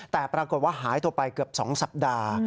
แต่ปรากฏว่าหายตัวไปเกือบ๒สัปดาห์